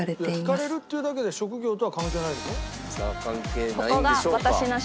惹かれるっていうだけで職業とは関係ないんでしょ？